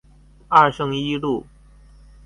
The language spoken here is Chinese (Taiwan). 二聖一路